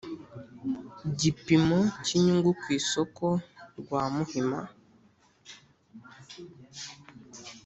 gipimo cy’inyungu ku isoko rwa muhima